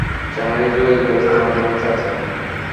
সামাজিক যোগাযোগ ব্যবস্থার মাধ্যমে, চাচা।